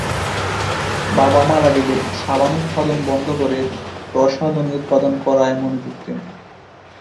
বাবা মারা গেলে সাবান উৎপাদন বন্ধ করে প্রসাধনী উৎপাদন করায় মনোযোগ দেন।